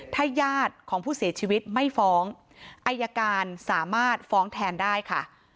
ถ้าญาติของผู้เสียชีวิตไม่ฟ้องอายการสามารถฟ้องแทนได้ค่ะ